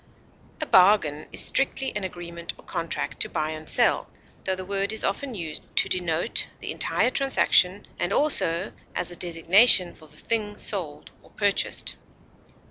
A bargain is strictly an agreement or contract to buy and sell, tho the word is often used to denote the entire transaction and also as a designation for the thing sold or purchased.